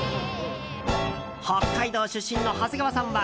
北海道出身の長谷川さんは